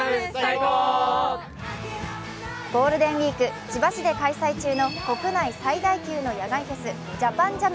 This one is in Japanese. ゴールデンウイーク千葉市で開催中の国内最大級の野外フェス、ＪＡＰＡＮＪＡＭ。